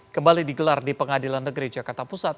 kembali digelar di pengadilan negeri jakarta pusat